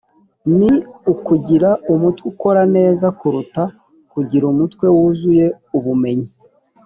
ni ukugira umutwe ukora neza kuruta kugira umutwe wuzuye ubumenyi